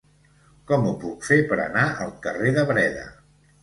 Com ho puc fer per anar al carrer de Breda?